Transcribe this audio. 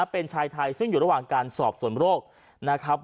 เป็นชายไทยซึ่งอยู่ระหว่างการสอบส่วนโรคนะครับ